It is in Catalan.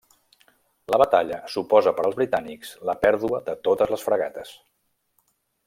La batalla suposa per als britànics la pèrdua de totes les fragates.